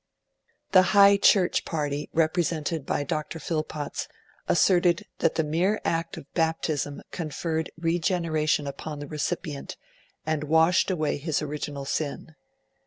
The High Church party, represented by Dr. Phillpotts, asserted that the mere act of baptism conferred regeneration upon the recipient and washed away his original sin.